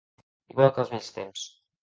Igual que els vells temps.